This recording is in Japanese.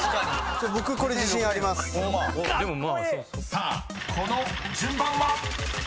［さあこの順番は⁉］